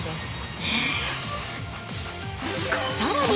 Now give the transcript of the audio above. さらに！